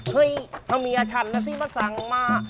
เฮ่ยเมียฉันที่มันสั่งมา